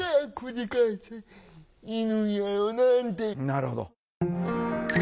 なるほど。